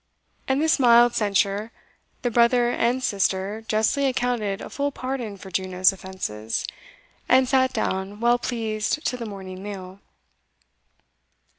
And this mild censure the brother and sister justly accounted a full pardon for Juno's offences, and sate down well pleased to the morning meal.